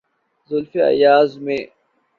زلف ایاز میں۔